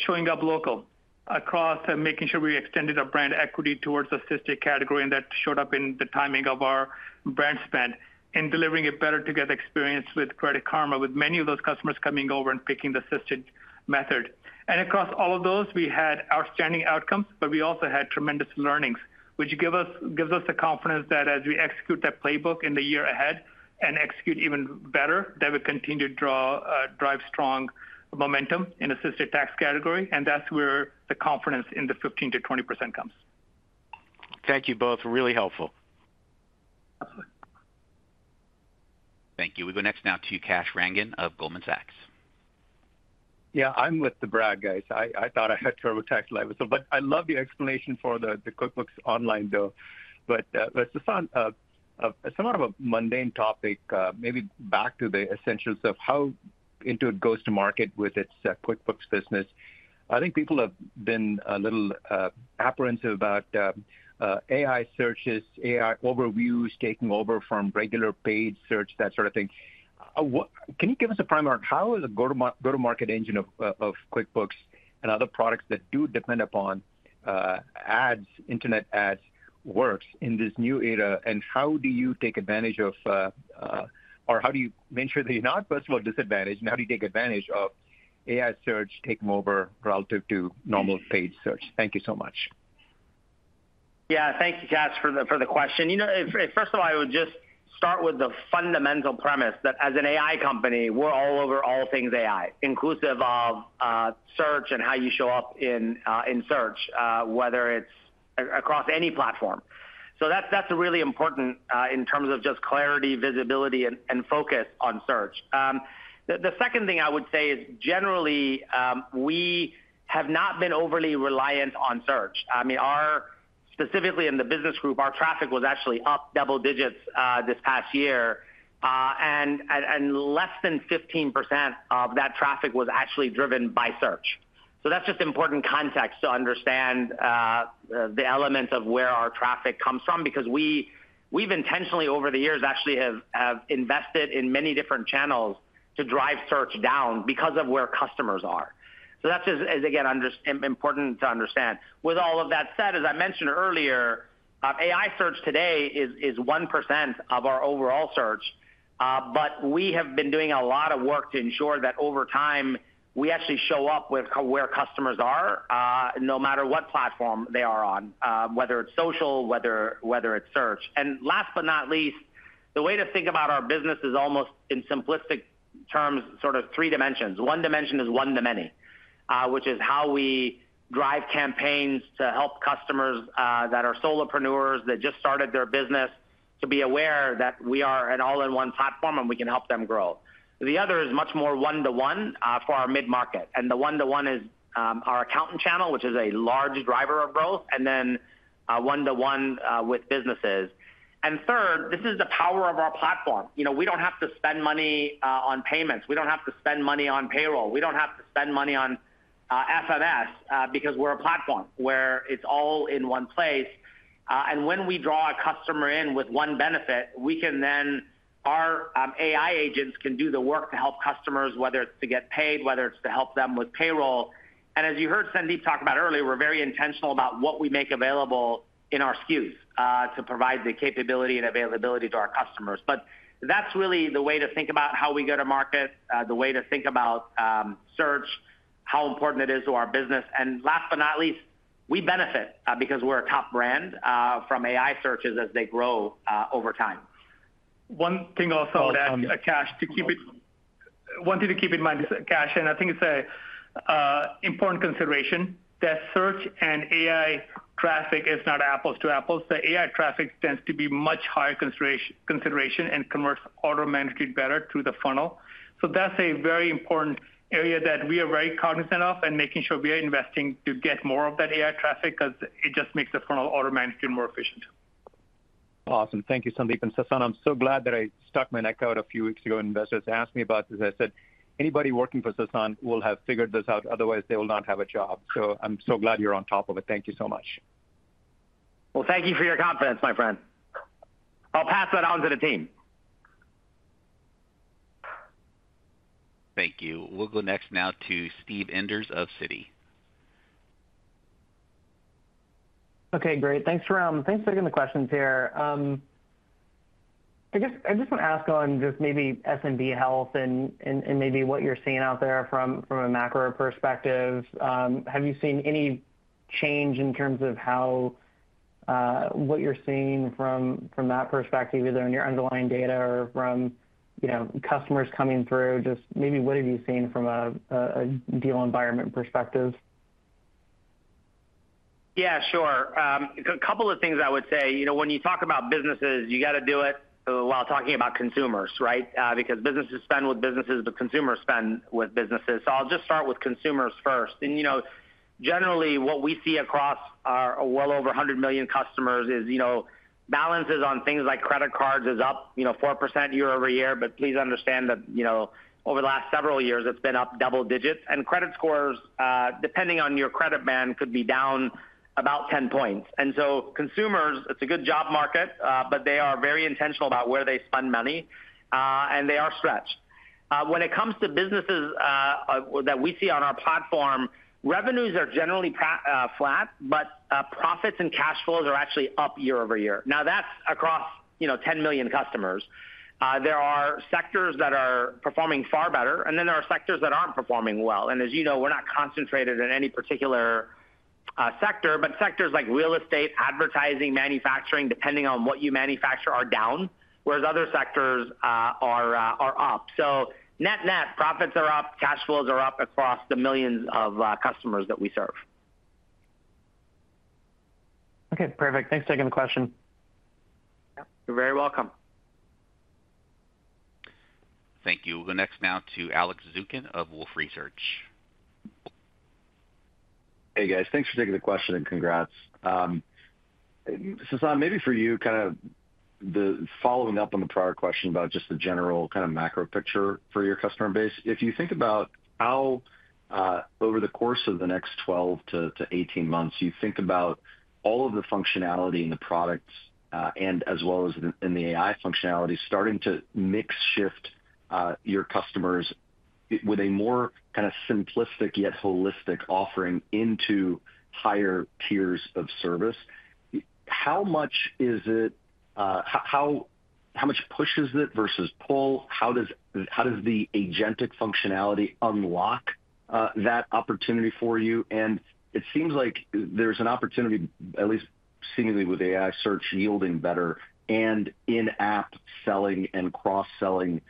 showing up local, across making sure we extended our brand equity towards assisted category, and that showed up in the timing of our brand spend in delivering a better-to-get experience with Credit Karma, with many of those customers coming over and picking the assisted method. Across all of those, we had outstanding outcomes, but we also had tremendous learnings, which gives us the confidence that as we execute that playbook in the year ahead and execute even better, we continue to drive strong momentum in assisted tax category. That's where the confidence in the 15% to 20% comes. Thank you both. Really helpful. Thank you. We go next now to Cash Rangan of Goldman Sachs. Yeah, I'm with the Brad guys. I thought I had TurboTax Live, but I love your explanation for the QuickBooks Online, though. CeCe, it's somewhat of a mundane topic. Maybe back to the essentials of how Intuit goes to market with its QuickBooks business. I think people have been a little apprehensive about AI searches, AI overviews taking over from regular paid search, that sort of thing. Can you give us a primer on how the go-to-market engine of QuickBooks and other products that do depend upon ads, internet ads, works in this new era? How do you take advantage of, or how do you make sure that you're not, first of all, disadvantaged? How do you take advantage of AI search taking over relative to normal paid search? Thank you so much. Thank you, Cash, for the question. First of all, I would just start with the fundamental premise that as an AI company, we're all over all things AI, inclusive of search and how you show up in search, whether it's across any platform. That's really important in terms of just clarity, visibility, and focus on search. The second thing I would say is generally, we have not been overly reliant on search. Specifically in the business group, our traffic was actually up double digits this past year, and less than 15% of that traffic was actually driven by search. That's just important context to understand the elements of where our traffic comes from because we've intentionally, over the years, actually invested in many different channels to drive search down because of where customers are. That's just, again, important to understand. With all of that said, as I mentioned earlier, AI search today is 1% of our overall search, but we have been doing a lot of work to ensure that over time, we actually show up where customers are, no matter what platform they are on, whether it's social, whether it's search. Last but not least, the way to think about our business is almost in simplistic terms, sort of three dimensions. One dimension is one to many, which is how we drive campaigns to help customers that are solopreneurs that just started their business to be aware that we are an all-in-one platform and we can help them grow. The other is much more one-to-one for our mid-market. The one-to-one is our accountant channel, which is a large driver of growth, and then one-to-one with businesses. Third, this is the power of our platform. We don't have to spend money on payments. We don't have to spend money on payroll. We don't have to spend money on FMS because we're a platform where it's all in one place. When we draw a customer in with one benefit, our AI agents can do the work to help customers, whether it's to get paid, whether it's to help them with payroll. As you heard Sandeep talk about earlier, we're very intentional about what we make available in our SKUs to provide the capability and availability to our customers. That's really the way to think about how we go to market, the way to think about search, how important it is to our business. Last but not least, we benefit because we're a top brand from AI searches as they grow over time. One thing to keep in mind is, Cash, and I think it's an important consideration that search and AI traffic is not apples to apples. The AI traffic tends to be much higher consideration and converts automatically better through the funnel. That's a very important area that we are very cognizant of and making sure we are investing to get more of that AI traffic because it just makes the funnel automatically more efficient. Awesome. Thank you, Sandeep. CeCe, I'm so glad that I stuck my neck out a few weeks ago when investors asked me about this. I said anybody working for CeCe will have figured this out, otherwise they will not have a job. I'm so glad you're on top of it. Thank you so much. Thank you for your confidence, my friend. I'll pass that on to the team. Thank you. We'll go next now to Steve Enders of Citi. OK, great. Thanks for taking the questions here. I just want to ask on S&B Health and maybe what you're seeing out there from a macro perspective. Have you seen any change in terms of what you're seeing from that perspective, either in your underlying data or from customers coming through? What have you seen from a deal environment perspective? Yeah, sure. A couple of things I would say. You know, when you talk about businesses, you got to do it while talking about consumers, right? Because businesses spend with businesses, but consumers spend with businesses. I'll just start with consumers first. You know, generally, what we see across our well over 100 million customers is, balances on things like credit cards is up 4% year over year. Please understand that, over the last several years, it's been up double digits. Credit scores, depending on your credit band, could be down about 10 points. Consumers, it's a good job market, but they are very intentional about where they spend money, and they are stretched. When it comes to businesses that we see on our platform, revenues are generally flat, but profits and cash flows are actually up year over year. That's across 10 million customers. There are sectors that are performing far better, and there are sectors that aren't performing well. As you know, we're not concentrated in any particular sector, but sectors like real estate, advertising, manufacturing, depending on what you manufacture, are down, whereas other sectors are up. Net-net, profits are up, cash flows are up across the millions of customers that we serve. OK, perfect. Thanks for taking the question. You're very welcome. Thank you. We'll go next now to Alex Zukin of Wolfe Research. Hey, guys. Thanks for taking the question and congrats. CeCe, maybe for you, kind of following up on the prior question about just the general kind of macro picture for your customer base, if you think about how over the course of the next 12 to 18 months, you think about all of the functionality in the products and as well as in the AI functionality starting to mix shift your customers with a more kind of simplistic yet holistic offering into higher tiers of service, how much is it, how much push is it versus pull? How does the agentic functionality unlock that opportunity for you? It seems like there's an opportunity, at least seemingly with AI search yielding better and in-app selling and cross-selling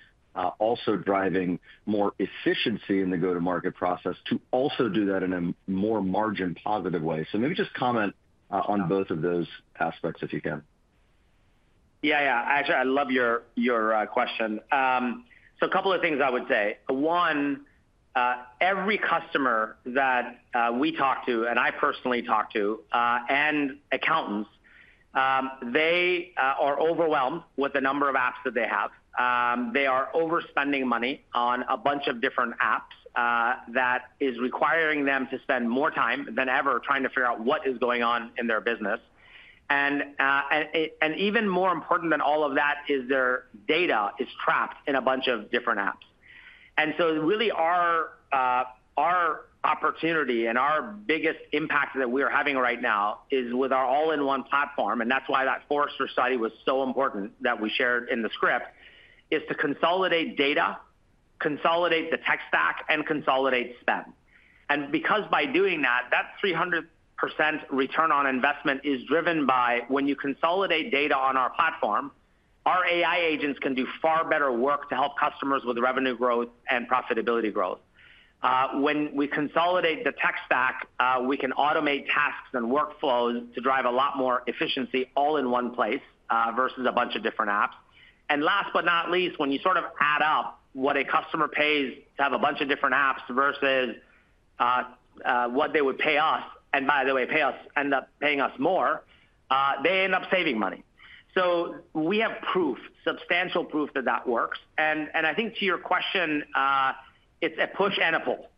also driving more efficiency in the go-to-market process to also do that in a more margin-positive way. Maybe just comment on both of those aspects if you can. Actually, I love your question. A couple of things I would say. One, every customer that we talk to and I personally talk to and accountants, they are overwhelmed with the number of apps that they have. They are overspending money on a bunch of different apps that is requiring them to spend more time than ever trying to figure out what is going on in their business. Even more important than all of that is their data is trapped in a bunch of different apps. Really, our opportunity and our biggest impact that we are having right now is with our all-in-one platform. That Forrester study was so important that we shared in the script, to consolidate data, consolidate the tech stack, and consolidate spend. By doing that, that 300% ROI is driven by when you consolidate data on our platform, our AI agents can do far better work to help customers with revenue growth and profitability growth. When we consolidate the tech stack, we can automate tasks and workflows to drive a lot more efficiency all in one place versus a bunch of different apps. Last but not least, when you sort of add up what a customer pays to have a bunch of different apps versus what they would pay us, and by the way, pay us, end up paying us more, they end up saving money. We have proof, substantial proof that that works. I think to your question, it's a push and a pull.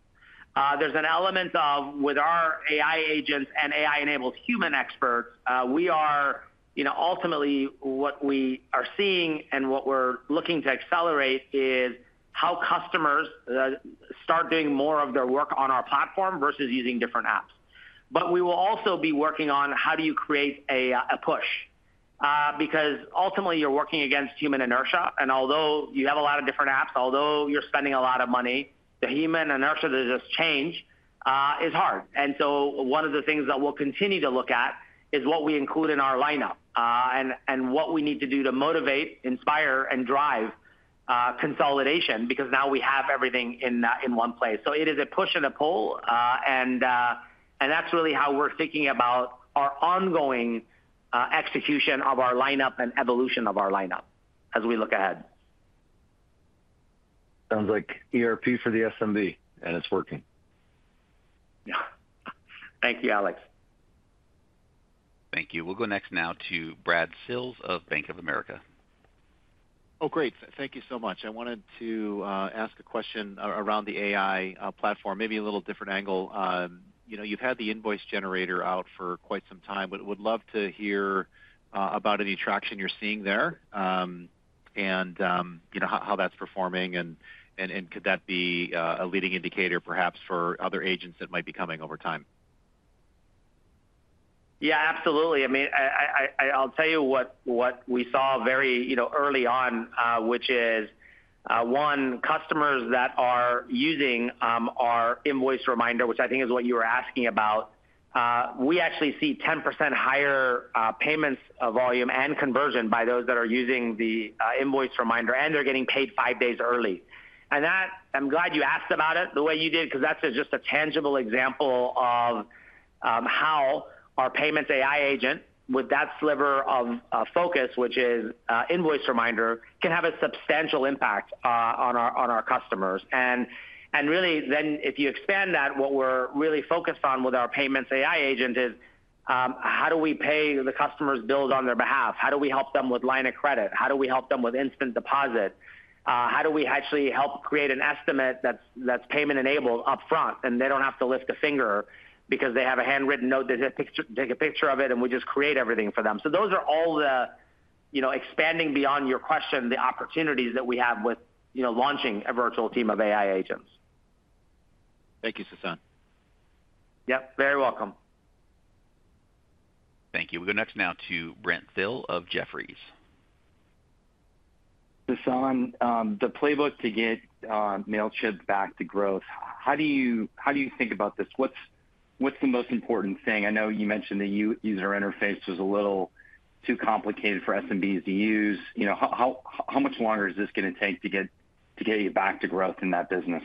There's an element of with our AI agents and AI-enabled human experts, we are, you know, ultimately what we are seeing and what we're looking to accelerate is how customers start doing more of their work on our platform versus using different apps. We will also be working on how do you create a push because ultimately, you're working against human inertia. Although you have a lot of different apps, although you're spending a lot of money, the human inertia to just change is hard. One of the things that we'll continue to look at is what we include in our lineup and what we need to do to motivate, inspire, and drive consolidation because now we have everything in one place. It is a push and a pull. That's really how we're thinking about our ongoing execution of our lineup and evolution of our lineup as we look ahead. Sounds like ERP for the SMB, and it's working. Thank you, Alex Balazs. Thank you. We'll go next to Brad Sills of Bank of America. Great, thank you so much. I wanted to ask a question around the AI platform, maybe a little different angle. You've had the invoice generator out for quite some time, but would love to hear about any traction you're seeing there and how that's performing. Could that be a leading indicator perhaps for other agents that might be coming over time? Yeah, absolutely. I mean, I'll tell you what we saw very early on, which is, one, customers that are using our invoice reminder, which I think is what you were asking about, we actually see 10% higher payments volume and conversion by those that are using the invoice reminder, and they're getting paid five days early. I'm glad you asked about it the way you did because that's just a tangible example of how our payments AI agent with that sliver of focus, which is invoice reminder, can have a substantial impact on our customers. If you expand that, what we're really focused on with our payments AI agent is how do we pay the customers' bills on their behalf? How do we help them with line of credit? How do we help them with instant deposit? How do we actually help create an estimate that's payment-enabled up front, and they don't have to lift a finger because they have a handwritten note that they take a picture of, and we just create everything for them. Those are all the, you know, expanding beyond your question, the opportunities that we have with launching a virtual team of AI agents. Thank you, CeCe. Yep, very welcome. Thank you. We go next now to Brent Thill of Jefferies. CeCe, the playbook to get Mailchimp back to growth, how do you think about this? What's the most important thing? I know you mentioned the user interface was a little too complicated for SMBs to use. How much longer is this going to take to get you back to growth in that business?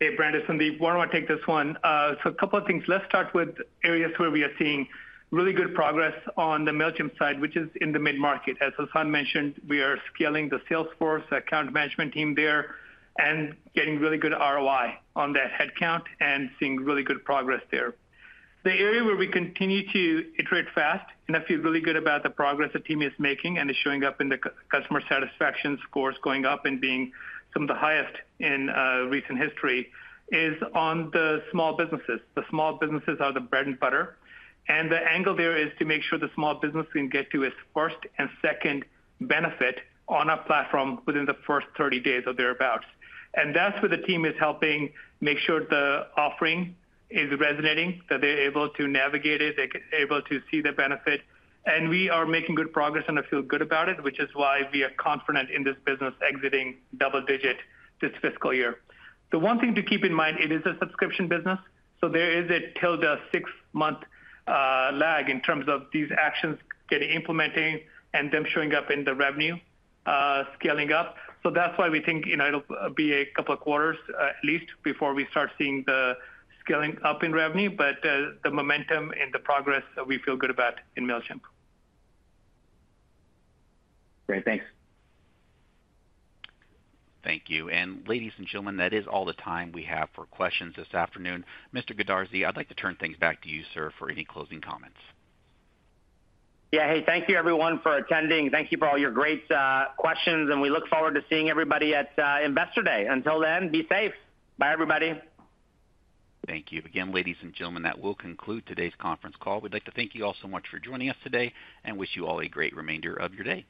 Hey, Brandon. Sandeep, why don't I take this one? A couple of things. Let's start with areas where we are seeing really good progress on the Mailchimp side, which is in the mid-market. As CeCe mentioned, we are scaling the Salesforce account management team there and getting really good ROI on that headcount and seeing really good progress there. The area where we continue to iterate fast and I feel really good about the progress the team is making and is showing up in the customer satisfaction scores going up and being some of the highest in recent history is on the small businesses. The small businesses are the bread and butter. The angle there is to make sure the small businesses can get to a first and second benefit on our platform within the first 30 days or thereabouts. That's where the team is helping make sure the offering is resonating, that they're able to navigate it, they're able to see the benefit. We are making good progress and I feel good about it, which is why we are confident in this business exiting double digit this fiscal year. One thing to keep in mind, it is a subscription business. There is a ~6-month lag in terms of these actions getting implemented and them showing up in the revenue scaling up. That's why we think it'll be a couple of quarters at least before we start seeing the scaling up in revenue. The momentum and the progress we feel good about in Mailchimp. Great, thanks. Thank you. Ladies and gentlemen, that is all the time we have for questions this afternoon. Mr. Goodarzi, I'd like to turn things back to you, sir, for any closing comments. Thank you, everyone, for attending. Thank you for all your great questions. We look forward to seeing everybody at Investor Day. Until then, be safe. Bye, everybody. Thank you. Again, ladies and gentlemen, that will conclude today's conference call. We'd like to thank you all so much for joining us today and wish you all a great remainder of your day.